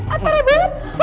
ah parah banget